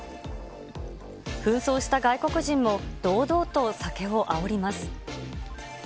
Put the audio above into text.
ふん装した外国人も堂々と酒をあおります。